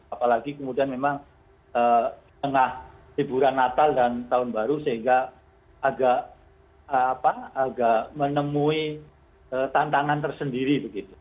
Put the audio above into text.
apalagi kemudian memang tengah hiburan natal dan tahun baru sehingga agak menemui tantangan tersendiri